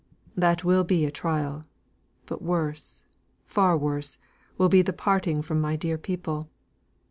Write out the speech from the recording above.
That will be a trial. But worse, far worse, will be the parting from my dear people.